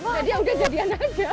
jadi udah jadian aja